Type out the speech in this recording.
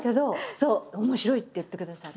そう面白いって言ってくださって。